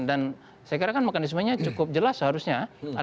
dan saya kira kan mekanismenya cukup jelas seharusnya